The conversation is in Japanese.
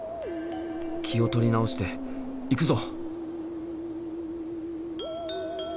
気を取り直して行くぞ！